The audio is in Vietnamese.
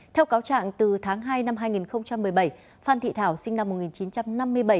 theo cáo trạng từ tháng hai năm hai nghìn một mươi bảy phan thị thảo sinh năm một nghìn chín trăm năm mươi bảy